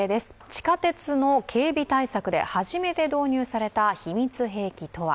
地下鉄の警備対策で初めて導入された秘密兵器とは。